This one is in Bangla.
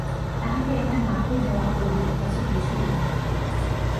তাহাকে একটা মাকড়ি দেওয়া প্রবীরের কাছে কিছুই নয়।